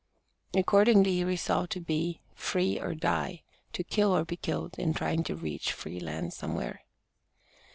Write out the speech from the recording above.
Accordingly he resolved to "be free or die," "to kill or be killed, in trying to reach free land somewhere!"